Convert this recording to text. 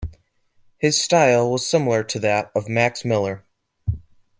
His style was similar to that of Max Miller.